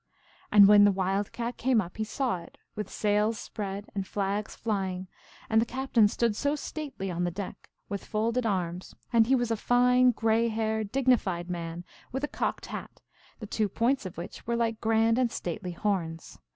And when the Wild Cat came up he saw it, with sails spread and flags flying, and the captain stood so stately on the deck, with folded arms, and he was a fine, gray haired, dignified man, with a cocked hat, the two points of which were like grand and stately horns.